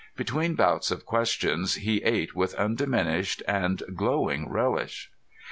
Between bouts of questions, he ate with undiminished and glowing relish.